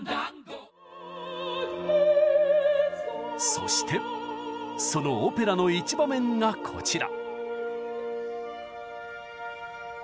そしてそのオペラの一場面がこちら。